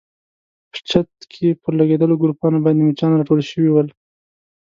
په چت کې پر لګېدلو ګروپانو باندې مچان راټول شوي ول.